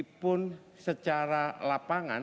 meskipun secara lapangan